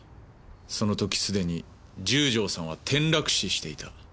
その時既に十条さんは転落死していた。